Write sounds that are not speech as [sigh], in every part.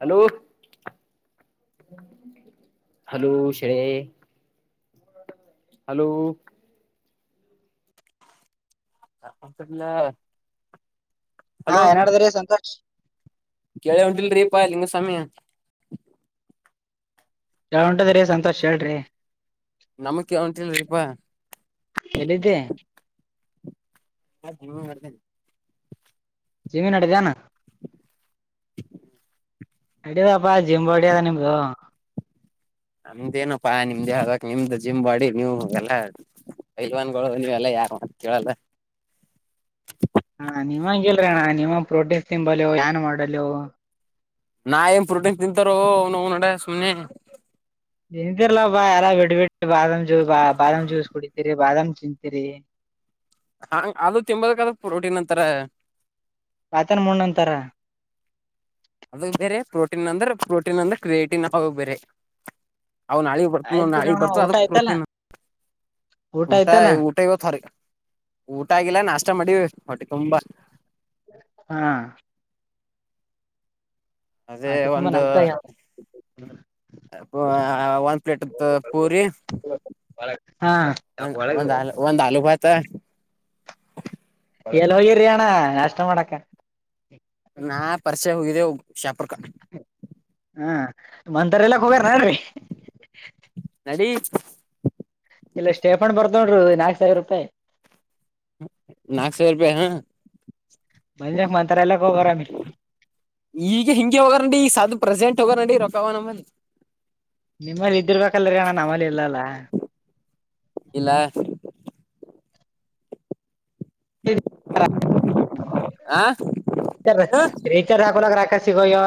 Hello hello ಶೇ hello ಅಪ್ಪಲ್ಲ ಹಾ ಏನ್ಡದ್ರಿ ಸಂತೋಷ್ ಕೆೇಳ ಉಂಟಲ್ರಿೀ ಪಾಯಲಿಂಗ ಸಮಯ ಯಾವ ಉಂಟದ್ರಿ ಸಂತೋಷ ಹೇಳ್ರಿ ನಮಗ್ ಕೇಳ ಹೊಂಟಿಲ್ರಿಪಾ ಎಲ್ಲಿದ್ದೆ ಹ ನೀ ಬರ್ತೇನೆ ಜಮೀನ್ ಅಡ ಜಾನ ಹ್ಮ ನಡ್ಯದಪ್ಪಾ ಜಿಮ್ ಹೊಡ್ಯದ ನಿಮ್ದು ನಮ್ದೇನಪ್ಪಾ ನಿಮ್ದೇ ಹಕ್ ನಿಮ್ದು ಜಿಮ್ ಮಾಡಿ ನೀವು ಎಲ್ಲ ಲ್ವಾನ್ ನೀವೆಲ್ಲ ಯಾಕ ಕೇಳಲ್ಲ ಹ ನೀವ ಹಂಗಲ್ ಅಣ್ಣ ನಿವಂಗ ಪ್ರೋಟೆಸ್ ಸಿಂಬಲ್ ಏನ್ ಮಾಡಲ್ ನಾ ಏನ್ ಪ್ರೋಟೀನ್ ತಿಂತಾರ ಅವ ನ ನಡೆ ಸುಮ್ಮನೆ ತಿಂತಿರ್ಾ ಬಾ ಎಲ್ಲಾ ಬಿಡ್ ಬಿಟ್ಟ ಬಾದಾಮ ಜ ಬ ಬಾದಾಮ ಜೂಸ್ ಕುಡಿತೀರಿ ಬಾದಾಮ ತಿಂತೀರಿ ಹಾ ಅದು ತಿಂಬದಾದ ಪ್ರೋಟೀನ್ ಅಂತಾರ ಆತನ ಮೂೋಣ್ಣಂತಾರ ಅದ ಬೇರೆ ಪ್ರೋಟೀನ್ ಅಂದ್ರೆ ಪ್ರೋಟೀನ್ ಅಂದ್ರೆ ಕ್ರಿಯೇಟಿನ್ ಹ ಬೇರೆ ಅವ ನಾಳಗ್ ಬರ್ತ ನೋ ಆಯ್ತ್ ನಾಳಿಗ್ ಅಣ್ಣ ಬರ್ತ ಊಟ ಅದಕ್ ಆಯ್ತಲ್ಲ ಪ್ರೋಟೀನ್ ಊಟ ಊಟ ಇವತ್ರ ಊಟ ಆಗಿಲ್ಲ ನಾಷ್ಟ ಮಾಡಿ ಹೊಟ್ಟೆ ತುಂಬಾ ಹಾ ಅದೇ ಹೊಟ್ಟಿ ತುಂಬಾ ಒಂದು ನಾಷ್ಟ ಆಗ್ಯಾವ ಒಂದ್ ಪ್ಲೇಟ್ ಪೂರಿ ಹಾ ಒಂದ್ ಒಂದ್ ಹಾಲು ಒಂದ್ ಹಾಲುೂ ಪತ ಎಲ್ಲ ಹೋಗಿರಿಣ್ಣ ನಷ್ಟ ಮಾಡಕ್ಕ ನಾ ಪರಿಚೆ ಹೋಗಿದ್ದೆೋಗ ಶಾಪುರ್ ಕ ಹಾ ಮಂತಾರೆ ಎಲ್ಲಕ್ ಹೋಗ್ಯಾರ ನಡ್ರಿ ನಡಿೀ ಇಲ್ಲ ಸ್ಟೇಫನ್ ಬರ್ದೋಡರು ನಾಲ್ಕ್ು ಸಾವಿರ ರೂಪಾಯಿ ನಾಕ್ ಸಾವ ರೂಪಾಯಿ ಹಾ ಬಂದ್ಯಕ್ ಮಂತರ ಎಲ್ಲಕ್ ಹೋಗರಾಮಿ ಈಗ ಹಿಂಗಗೆ ಹೋಗಾರಡಿ ಈ ಸದು ಪ್ರೆಸೆಂಟ್ ತಗ ನಡಿರ ಪವ ನಮ್ಮನ್ನ ನಿಮ್ಮಲ್ಲಿ ಇದರ್ಬೇಕಲ್ರಿೀ ಅಣ್ಣ ನಮ್ಮಲ್ಲಿ ಇಲ್ಲಲ್ಲ ಇಲ್ಲ ಆ ಏನು ರೀಚರ್ ಹಾಕಲ ರಾಕಾಶ ಸಿಗೋಯವ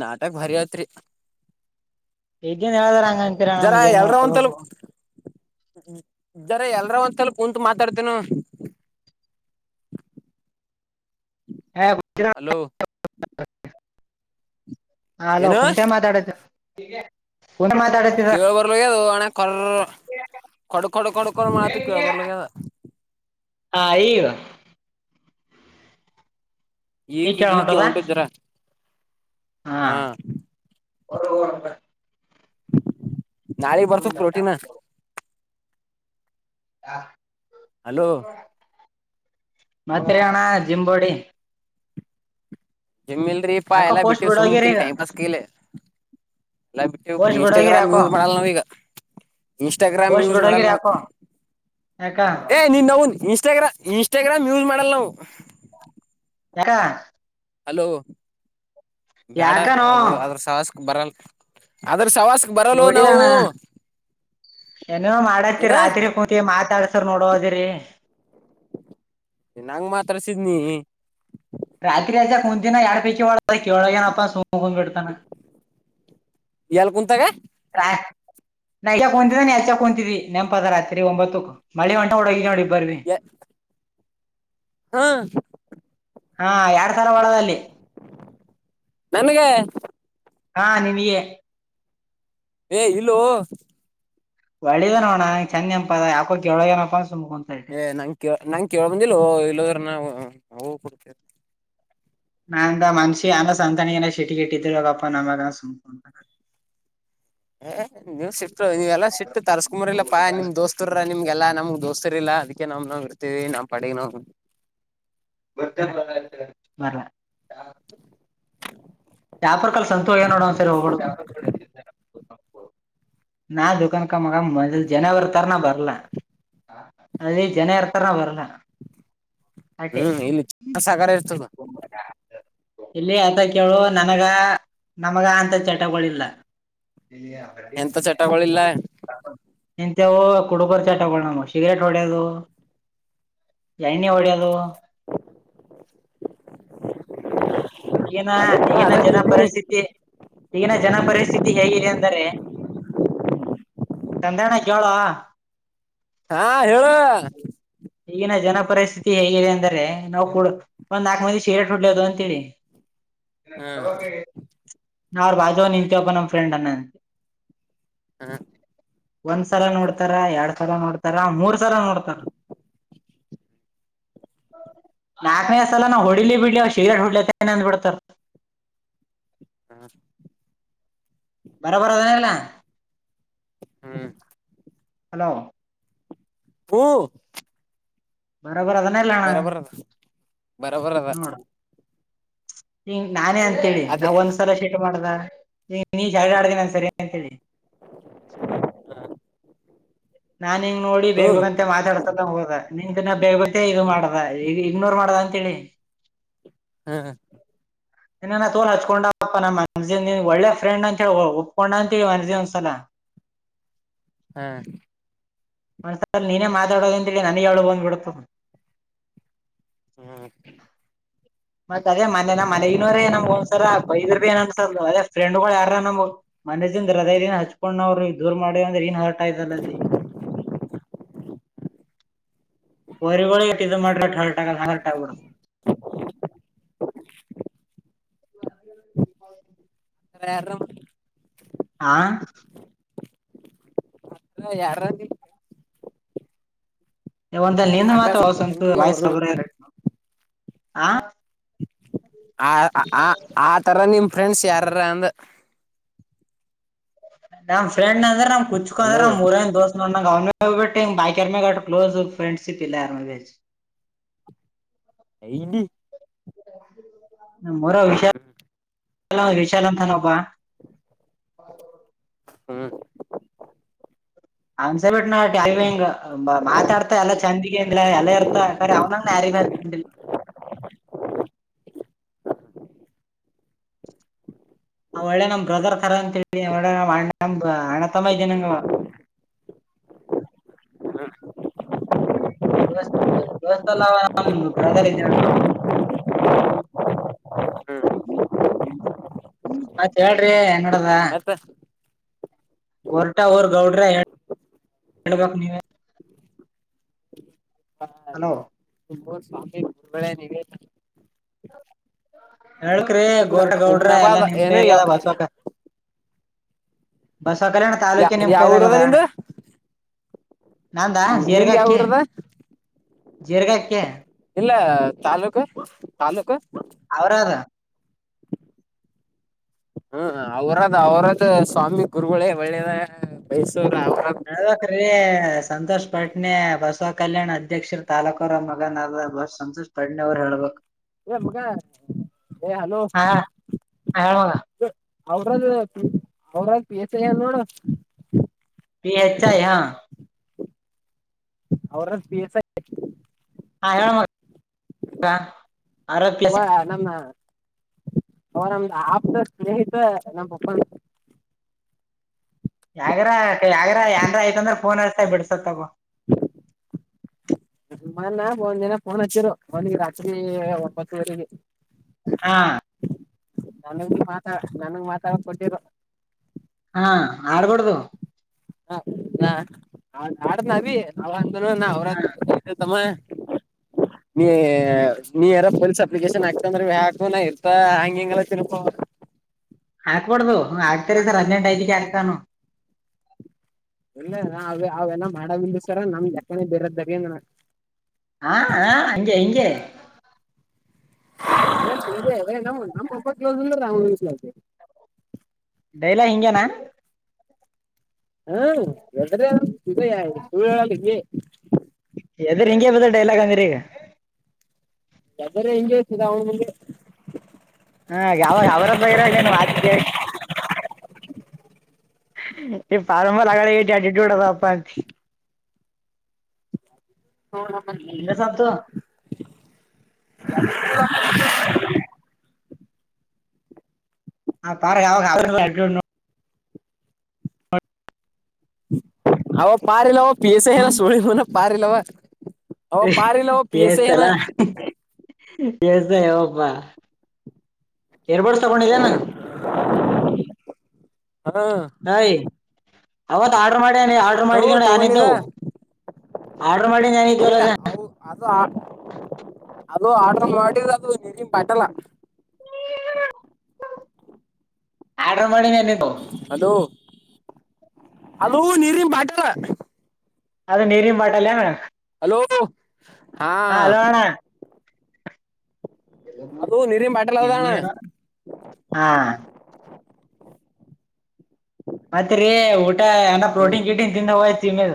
ನಾಟಕ್ ಭರಿಯತ್ರಿ ಹಗೇನ್ ಹೇಳದ್ರ ಹಂಗಂತೀರ ನಮ್ಗೆ ಏನ್ ಹೋಳ್ಬೇಕು ಇದ್ದಾರೆ ಎಲ್ರ ಒಂದ್ಸಲಪ ಕುಂತು ಮಾತಾಡ್ತೇನ ಹಾ ಹಲೋ ಹಾ ಹಲೋ ಏನು ಕುಮತ ಮಾತಾಡತ ಕವಳ ಬರಲದು ಅ ಕ ಕಡು ಕೊಡು ಕಡು ಕೊಡ ಮಾಡತ ಕೇಳ ಬರ್ಲದ ಹಯವ ಈಗ ಕೇಳ ಈಗ ಹೊಂಟದ ಹೊಂಟಿದೀರ ಹಾ ಒ ಹಣ ನಾಳೀ ಬರ್ತು ಪ್ರೋಟಿನ್ ಹಾ ಹಲೋ ಮತ್ರಿ ಆಣ ಜಿಂಬೋಡಿ ಜಿಮಿ ಇಲ್ರರಿ ಪಾ ಯಾಕೋ ಎಲ್ಲಾ ಪೋಸ್ಟ್ ಬಿಟ್ಟು ಸುಮ್ ಬಿಡೋಗಿರಿ ಕಲಿ ಈಗ ಟೈಮ್ ಪಾಸ್ ಕಿಲಿ ಎಲ್ಲ ಬಿಟ್ಟೆ ಪೋಸ್ಟ್ ಬಿಡೋಗಿರಿ ಇನ್ಸ್ಟಾಗ್ರಾಮ್ ಯಾಕೋ ಯೂಸ್ ಮಾಡಲ್ ನಾವ ಈಗ ಇನ್ಸ್ಟಾಗ್ರಾಮ್ ಪೋಸ್ಟ್ ಯೂಸ್ ಮಾಡಲ್ ಬಿಡೋಗಿರಿ ನಾವು ಯಾಕೋ ಯಾಕ ಏ ನೀನ್ ಅವುನ್ ಇನ್ಸ್ಟಾಗ್ರಾಮ್ ಇನ್ಸ್ಟಾಗ್ರಾಮ್ ಯೂಸ್ ಮಾಡಲ್ಲ ನಾವು ಯಕ ಹಲೋ ಬೇಡ ಯಾಕನೋ ಅ ಅದ್ರ ಸಾವಸಕ್ ಬರಲ್ಲ ಅದ್ರ ಸವಾಸ್ಕ್ ಬರಲ್ಲ ನಾವು ನೋಡಿದಣ ಏನೋ ಮಾಡತಿ ಏನ ರಾತ್ರಿ ಕುತಿ ಮಾತಾಡ್ಸರ್ ನೋಡದಿರಿ ನಂಗ್ ಮಾತ್ರಸಿದ್ನಿ ರಾತ್ರಿ ಅಸ ಕುಂತಿನ ಎರಡ್ ಪೈಕಿ ಒಳ ಕೇಳಳಗಏನಪ್ಪ ಸುಮಕೊಂಡ್ ಬಿಡ್ತಾನ ಎಲ್ ಕುಂತಾಗ ನಾಕ್ ಕುಂತಿದ್ದ ನೀ ಯಚ್ಚಾಕ್ ಕುಂತಿದ್ದಿ ನೆನಪದ ರತ್ರಿ ಒಂಬತ್ತುಕ್ ಮಳಿ ಒಂಟ ಹಡಗ ನೋಡಿ ಬರ್ವಿ ಹಾ ಹಾ ಎಡ್ ತರ ಒಳದಲ್ಲಿ ನನಗ ಹಾ ನೀನಿಯೇ ಏ ಇಲ್ಲೂ ಒಳ್ಳದ ನೋಡಣಗೆ ಚಂದೆಂಪ ಅ ಯಾಕೋ ಕೆಳಗೆನಪ್ಪ ಏ್ ನಂ ಕ ನಂಗೆ ಕೇಳಬಂದಿಲ್ಲ ಇಲ್ಲ್ರ ನ ನ ಕೊಡ್ತೇ ನಾನಂತ ಮನ್ಷಿ ಅನ್ನ ಸಂತಾನಿ ಶಟ ಕಟ್ಟಿದ್ದ ಬಪ್ಪಾ ನಮ್ಮ ಏ ನೀವು್ ಶಿಫ್ಟ್ ನೀವೆಲ್ಲಾ ಶಿಫ್ಟ್ ತರ್ಸ್ಕೊಂಬಾರಲ್ಲಾಪ್ಪಾ ನಿಮ್ ದೋಸ್ತರ ನಿಮ್ಗೆಲ್ಲಾ ನಮಗ್ ದೋಸ್ತರ್ಲ್ಲಾ ಅದಕ್ಕೆ ನ ನ ಬಿರ್ತೀವಿ ನಾ ಪಡಗನ ಬ ಮ ನೋಡ ಒಂದ್ಸರಿ ಹೋಗ್ಬ [inaudible] ನಾ ದದುಕಾನ ಕ ಮ ಮೆ ಜನವ ತನಾ ಭರಲ ಅದಲ್ಲಿ ಜನ ಇರ್ತಾರ ನ ಬರಲ್ಲ ಆಂಟಿ ಹ್ಮ್ ಇಲ್ಲಿ ಸಾಗರ ಇರ್ತದ ಇಲ್ಲಿ ಆತ ಕೇಳು ನನಗ ನಮಗ ಅಂತ ಚಟಗಳಿಲ್ಲ ಇಲ್ಲಿ ಬ ಚಟಗೊಳಿಲ್ಲ ನಿಂತೆವು ಕುಡುಕರ್ ಚಟ ಬ ನ ಶಿಗರೆೇಟ್ ಹೊಡೆದು ಎಣ್ಣೆ ಎಡೆಯದು [inaudible] ಏನ ಅದಕ್ಕ ಏನ ಜನ ಅದ ಪರಿಸ್ಥಿತಿ [unintelligible] ಈಗಿನ ಜನ ಪರಿಸ್ಥಿತಿ ಹೇಗಿದೆ ಅಂದರೆ ಚಂದಣ್ಣ ಕೇಳ [unintelligible] ಹ [inaudible] ಹಾ ಹೇಳ ಈಗಿನ ಜನ ಪರಿಸ್ಥಿತಿ ಹೇಗಿದೆ ಅಂದರೆೆ ನಾವು ಕೂಡ ಒಂದ್ ನಾಲ್ಕು ಮಂದಿ ಶೀರೆಟ್ ಹಡ್ಲದು ಅಂತೇಳಿ [unintelligible] ಹ್ಮ್ ಹಟಕ್ಕೆ [unintelligible] ನಾ ಅವ್ರ ಬಾಜವ ನಿನ್ಂತ ಒಬ ನಮ್ಮ್ ಫ್ರೆಂಡ್ ಅನ್ನ ಅಂತೆ. ಹ್ಮ [unintelligible] ಒಂದ್ಸಲ ನೋಡ್ತಾರ ಎರಡ್ ಸಲ ನೋಡ್ತಾರ ಮೂರ್ ಸಲ ನೋಡ್ತಾರ [unintelligible] [inaudible] ನಾಕನೇ ಸಲ ನಾವವು ಹೊಡಿಲಿ ಬಿಡ್ಲಿವ ಸಿಗರೆಟ್ ಹುಡ್ಲಿತನೆ ಅಂದಬಿಡ್ತಾರ [unintelligible] ಹಾ [unintelligible] ಬರಬರ ಅದಲ್ಲ [unintelligible] ಹ್ಮ್ [unintelligible] ಹಲೋ [unintelligible] ಹೂ ಬರಬರ ಅದನ್ನ ಎಲ್ಲಣ ಬರಬರದ ಬರಬರದ ನೋಡ ಹಂಗ ನಾನೇ ಅಂತೇಳಿ ಅದೇ ನಾವ ಒಂದ್ಸಲ ಶೀಟ ಮಾಡ್ದ ನೀಜ್ ಹರಡ ಆಡ್ದ ನನ್ ಸರಿ ಅಂತ ಹೇಳಿ. ನಾನ್ ಹಿಂಗ ನೋಡಿ ಬೇಗ್ ಹ್ಮ್ ಬಂತ ಮಾತಾಡ್ಸದಂಗ ಹೋದ ನಿ ಬೇಗ ಇದು ಮಾಡದ ಈ ಇಗ್ನೋರ್ ಮಾಡದ ತಿಳಿ ಹ್ಮ್ ಇನ್ನ ತೋಲ್ ಹಚ್ಕೊಂಡಪ್ಪ ನಮ್ಮ ಮನನ್ ಒಳ್ಳೆ ಫ್ರೆಂಡ್ ಅಂತ ಹೇಳಿ ಒಪ್ಕೊಂಡ ಅಂತೀವಿ ಮನಜಿ ಒಂದ್ಸಲ. ಹಾ ಹ ಸರ್ ನೀನೇ ಮಾತಾಡೋದಂದಿ ನನ್ಗೆ ಅಳು ಬಂದ್ಬಿಡತು ಹ್ಮ ಮತ್ತ ಅದೇ ಮನೆ ನಮ್ಮ ಮನೆಗಿನೋರೇ ನಮ್ ಒಂದಸರ ಬೈದರ್ ಬಿ ಏನ್ ಅನ್ಸಲ್ಲ ಅದೇ ಫ್ರೆಂಡ್ಗಳು ಯಾರ. ನಮ ಮನಸಿಂದ ಹೃದಯ ದಿನ ಹಚ್ಕೊಂಡವರು ದೂರ್ ಮಾಡಿ ಅಂದ್ರೆ ಏನ್ ಹರ್ಟ್ ಆಯ್ಲ್ಲದೀ ಹೊರಿ ಒ ಮಾಡ್ರರಟಕ ನಟಬಡ. ವೇರ. ಹಾ ಮತ್ರ ಯಾರಾ ನೀ ಒಂದಲ್ಲಿ ನಿಂದ ಮಾತ್ರ ಆಕಾಶ್ ವಸಂತ ಪತಂಗಿ ಅವರು ವಯಸ್ಸಬರ ಇರ ನ ಆ ಆ ಆ ಆ ತರ ನಿಮ್ ಫ್ರೆಂಡ್ಸ್ ಯಾರಾರ ಅಂದ ನಮ ಫ್ರೆಂಡ್ ಅಂದ್ರೆ ನಮ್ ಕುಚ್ಕೋ ಅ್ರ ಹಲೋ ನಮ್ ಊರದ ದೋಸ್ ಅವ್ನ ಮ್ಯಾಗ್ ಬಿಟ್ ಬಾಕಿ ಯಾರ್ ಮ್ಯಾಗ ಅಟ್ ಕ್ಲೋಸ್ ಫ್ರೆಂಡ್ಸ್ ಇದಿಲ್ಲ. [unintelligible] ನಮ್ಮೂರ ವಿಷಯ [unintelligible] ಹ್ಮ್ ಅನ್ಸ ಬಿಟ್ಟ ನ ಟಂಗ ಮಾತಾಡ್ತಾ ಎಲ್ಲಾ ಚಂದಗಲ ಎಲ್ಲ ಇರ್ತ ಅವನಂಗ ಯಾರ ಅವ ನ ಅನತ ಮೈ ಜನಂಗಾ ಹ ದ ದೋಸ್ತಲ್ಲ ನ [unintelligible] ಇದಲ್ಲ ಮತ್ತತ್ ಹೇಳ್ರಿ ಏನ ಮತ್ತೆ ಗೋರ್ಟ ಅವರ್ ಗೌಡ್ರ ಹೇಳ್ಬೇಕು ನೀವೇ ಹಲೋ ನೀವಲ್ಲ ಹೇಳಳ್ಕ್ರೀ ಗೌಡಗೌಡ್ರ ಎಲ್ಲಾ ಹುಮ್ನಾಬಾದ್ ನಿಮ ಏನು ಯ ಏರಿಯದ ಬಸ್ ಹಕ ಬಸ್ ಸಕಲಣ್ಣ ಯಾ ತಾಾಲೂಕೆ ನಿಮ್ ಯಾವ ಊರದ ಕೈದಾಗದಣ್ಣ ನಿಂದು ನಾಂದಾ ನಿಂದ್ ಜೀರ್ಗಾ ಯಾವ ಅಕ್ಕಿ ಊರದ ಜೀರ್ಗಾಕ್ಕಿ ಇಲ್ಲ ತಾಲೂಕ ತಾಲೂಕು ಅವ್ರದ ಹ್ಮ ಅವ್ರದ್ ಅವರದ ಸ್ವಾಮಿ ಗುರುಗಳೇ ಒಳ್ಳೇದ ಬಯಸ ಹಳ್ಬೇಕಕ್್ರೀ ಸಂತೋಷ ಪಟ್ನೆ ಬಸವ ಕಲ್ಯಾಣ್ ಅಧ್ಯಕ್ಷರ ತಾಲೂಕ ಅವ್ರ ಮಗನ ಅ ಬ ಸಂತೋಷ್ ಪಟ್ನೆ ಅವ್ರು ಹೇಳ್ಬೇಕು ಮುಗ ಏ ಹಲೋ ಹಾ ಹೇಳಮಗ ಅವ್ರದ ಅವ್ರದ್ ಪಸ ನೋಡ ಪ ಹೆಚ್ಐ ಹಾ ಅವರ ಪ ಎಸ್ ಹಾ ಹೇಳ ಮ ಅಬ್ಬ ನನ್ನ ಅವರಮ್ದ ಆಪ್ತ ಸ್ನೇಹಿತ ನಮ್ಮ ಪಪ್ಪ ಯಗ ಯಾಗ್ರ ಯಏಂದ್ರ ಆಯ್ತಂದ್ರ ಫೋನ್ ಹೇಳ್ತಾ ಬಿಡ್ಸತ್ತಗ [unintelligible] ಮ್ಮನ್ ಒಂದ್ ಜನ ಪೋನ್ ಹಚ್ಚಿರು ಒಂದಗ ರಾತ್ರಿ ಒಂಬತ್ತುವರೆಗೆ ಹಾ ನನಗ ಮಾತಾ ನನಗೆ ಮಾತಾಡ ಕೊಟ್ಟಿರ ಹಾ ಆಡ್ಬಡ್ದ ಹ ನಾ ಆಡ್ ನೀ ನಾವಂತ ನ ಹ ಅವ್ರಮ್ಮ ಹ ನೀ ನೀ ಯಾರ ಪೊಲೀಸ್ ಅಪ್ಲಿಕೇಶನ್ ಆಗ್ತಂದ್ರ ಯಾಕ ನ ಇರ್ತಾ ಹಂಗ ಹಂಗಲ್ಲ ತಿರ್ಪ ಹಾಕ್ಬಡ್ದು ಆಗ್ತಾರ ಸರ್ ಹದಿನೆಂಟ ಐದಕ್ಕೆ ಆಗ್ತಾನು ಇಲ್ಲ ಅವೆಲ್ಲ ಮಾಡಾವಿಲ್ಲ ಸರ ನಮ್ ಕ್ಕನ ಬೇರೆದ್ದಾಗಂದ ಹಾ ಹ ಅಂಜೆ ಹಂಜಗೆ ಹಾ ಅೇ ನಮ್ಮ ನಮ್ಮ ಹಬ್ಬ ಕೆಲೋಿಂದಿಸಲವಿ ಡೈಲ ಹಿಂಗನಾ ಹಾ ಎದ್ರ ಇ ಸುಗೆ ಪ್ರಿಂಗಗೆ ಬದ ಡೈಲಾಗ್ ಅಂದ ರ ಯ್ದರ ಹೆಿಂಗಗೆತದೆ ಅವನ ಮುಂದೆ ಹಾ ಯಾವಾಗ ಅವರ ಇರಾಗ ನೀನು ಮಾತಿ ಕೇಳಿ ಹ್ಮ ಈ ಬಾರಂಂಬಾರ ಆಗಟಿಟ್ಯೂಡ್ ಅದಪ್ಪ ಅಂತ ಹೌಮ್ಮ ಹಿಂಗ ಸಂತು [unintelligible] ಹ ಪ ಅವಾಗ ಅವ ಪಾರಿಲ್ಲವ ಪಿ ಎಸ ಎಲ್ಲ ಸಳಿನ ಪಾರಿಲ್ಲವಾ ಸಲ ಎಸ ಹಪ್ಪಾ ಎರ್ ಬಡ್ ತಗೊಂಡಿದಾನ ಹಾ ಅಯ್ ಅವತ್ ಆರ್ಡ್ರ ಮಾಡ್ಯನಿ ಆರ್ಡ್ರ ಹ್ಮ ಮಾಡಿದ ನೋಡ ತಗೊಂಡಿದ ಏನಿದ್ದವು ಆರ್ಡರ್ ಮಾಡಿ ನಾನ ಈ ಏ ತರಸ ಅವು ಅದು ಅದು ಆರ್ಡ್ರ ಮಾಡಿಿದ ಅದದು ನೀನ್ ಪಟಲ್ಲ ಆರ ಹಲೋ ಹಲೋ ನೀರಿಮ ಬಾಟ ಅದ ನೀರಿ ಪಾಟಲ್ಲಯ ಮೇ ಹಲೋ ಹಾ ಹಲೋ ಅದು ನೀರಿನ ಬಾಟಲ್ ಅದಣ ಇನ್ನೇನು ಹಾ ಮತ್ ರಿ ಊಟ ಅನ್ನ ಹ್ಮ್ ಪ್ರೋಟೀನ್ ಕಿಟೀನ್ ತಿಂದ ಹೋಗಯ್ತಿ ಮೇ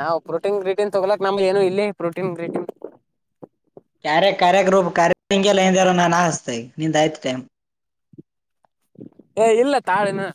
ನಾವ್ ಪ್ರೋಟೀನ್ ಗ್ರೀಟೀನ್ ತೊಗಲಕ್ ನಮ್ದ್ ಏನು ಇಲ್ಲಿ ಪ್ರೋಟೀನ್ ಗ್ರೀಟೀನ್ ಯಾರೆ ಕಾರ್ಯಕ್ ರೂಪ ಕಾರ್ಯ ಹಿಂಗೆಲ್ಲ ಹಿಂದಾರ ನಾನನ್ ಆಸ್ತ ನಿಂದ್ ಆಯ್ತ ಟೈಮ್ ಏ ಇಲ್ಲ ತಾಳ ಇನ್